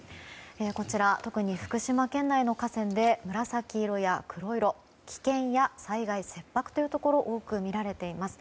こちら、特に福島県内の河川で紫色や黒色危険や災害切迫というところが多く見られています。